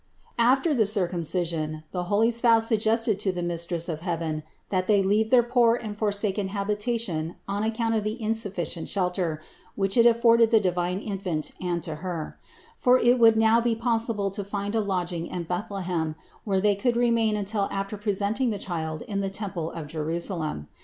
After the Circumcision, the holy spouse suggested to the Mistress of heaven that they leave their poor and forsaken habita tion on account of the insufficient shelter which it afforded the divine Infant and to Her ; for it would now be possible to find a lodging in Bethlehem, where they could remain until after presenting the Child in the temple of Jerusalem.